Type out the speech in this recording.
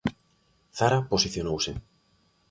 Zara posicionouse.